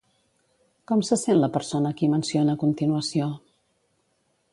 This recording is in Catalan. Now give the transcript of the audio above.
Com se sent la persona a qui menciona a continuació?